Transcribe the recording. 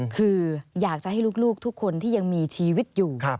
คืออยากจะให้ลูกทุกคนที่ยังมีชีวิตอยู่